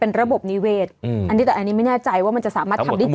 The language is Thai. เป็นระบบนิเวศแต่อันนี้ไม่แน่ใจว่ามันจะสามารถทำได้ดีกว่า